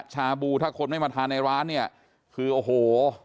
ชาบูถ้าคนไม่มาทานในร้านเนี่ยคือโอ้โห